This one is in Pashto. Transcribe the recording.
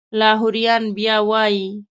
لاهوریان بیا وایي.